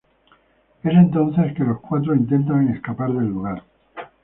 Es entonces que los cuatro intentan escapar del lugar.